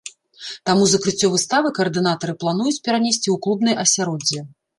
Таму закрыццё выставы каардынатары плануюць перанесці ў клубнае асяроддзе.